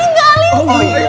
ini rifki mau ditinggalin